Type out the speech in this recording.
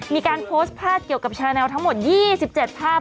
มีการโพสต์ภาพเกี่ยวกับแชร์แนวทั้งหมด๒๗ภาพ